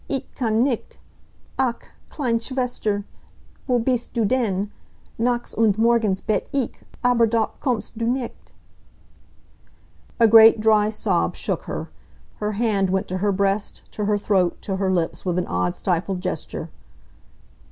"Ich kann nicht! Ach, kleine Schwester, wo bist du denn! Nachts und Morgens bete ich, aber doch kommst du nicht." A great dry sob shook her. Her hand went to her breast, to her throat, to her lips, with an odd, stifled gesture.